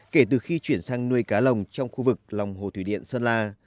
kể từ khi chuyển sang nuôi cá lồng trong khu vực lòng hồ thủy điện sơn la